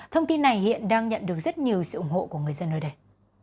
thông tin này hiện đang nhận được rất nhiều sự ủng hộ của người dân nơi đây